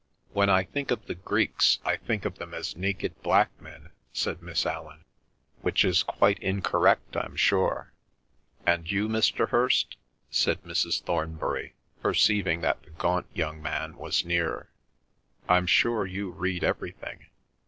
"When I think of the Greeks I think of them as naked black men," said Miss Allan, "which is quite incorrect, I'm sure." "And you, Mr. Hirst?" said Mrs. Thornbury, perceiving that the gaunt young man was near. "I'm sure you read everything."